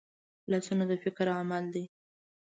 لاسونه د فکر عمل دي